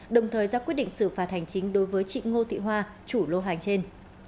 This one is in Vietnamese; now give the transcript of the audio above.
đồng thời ra quyết định xử phạt hành chính đối với chị ngô thị hoa chủ lô hàng trên